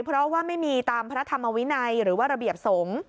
เพราะว่าไม่มีตามพระธรรมวินัยหรือว่าระเบียบสงฆ์